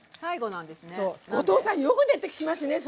後藤さんよく出てきますね。